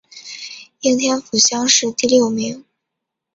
应天府乡试第六名。